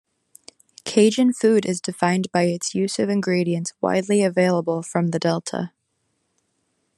Cajun food is defined by its use of ingredients widely available from the delta.